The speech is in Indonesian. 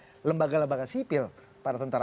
ada lembaga lembaga sipil pada tentara